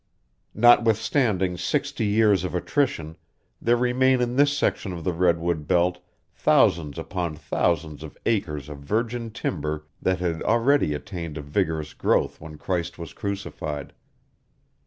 Notwithstanding sixty years of attrition, there remain in this section of the redwood belt thousands upon thousands of acres of virgin timber that had already attained a vigorous growth when Christ was crucified.